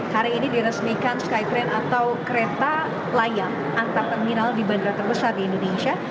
hari ini diresmikan skytrain atau kereta layang antar terminal di bandara terbesar di indonesia